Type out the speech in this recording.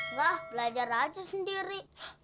nggak belajar aja sendiri